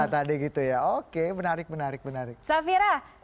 tadi gitu ya oke menarik menarik menarik safira